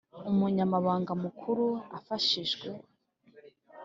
Umunyamabanga Mukuru afashijwe